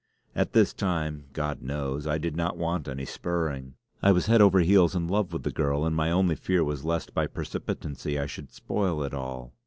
At this time, God knows, I did not want any spurring. I was head over heels in love with the girl, and my only fear was lest by precipitancy I should spoil it all.